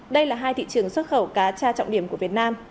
đây là hai thị trường xuất khẩu cá tra trọng điểm của việt nam